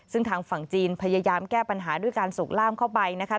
ซึ่งทางฝั่งจีนพยายามแก้ปัญหาด้วยการสูกล้ามเข้าไปนะคะ